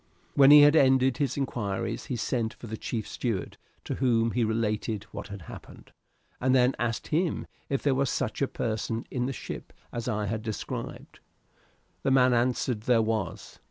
When he had ended his inquiries he sent for the chief steward, to whom he related what had happened, and then asked him if there was such a person in the ship as I had described. The man answered there was.